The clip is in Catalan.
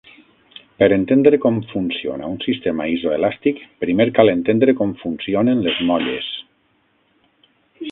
Per entendre com funciona un sistema isoelàstic, primer cal entendre com funcionen les molles.